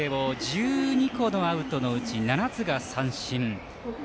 １２個のアウトのうち７つが三振。